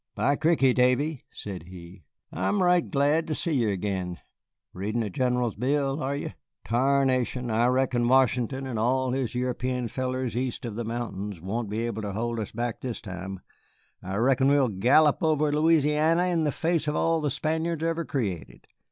"By cricky, Davy," said he, "I'm right glad ter see ye ag'in. Readin' the General's bill, are ye? Tarnation, I reckon Washington and all his European fellers east of the mountains won't be able ter hold us back this time. I reckon we'll gallop over Louisiany in the face of all the Spaniards ever created.